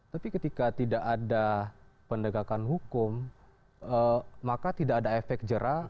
tapi ketika tidak ada pendegakan hukum maka tidak ada efek jerah